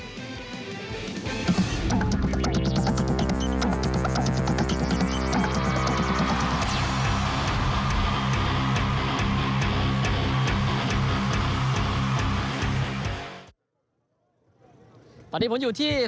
ตอนนี้ผมอยู่ที่สนามแข่งขันครับ